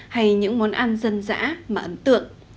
hay những món ăn dân dã mà ấn tượng